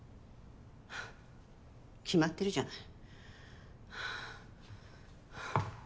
決まってるじゃない。